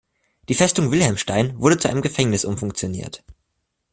Die Festung Wilhelmstein wurde zu einem Gefängnis umfunktioniert.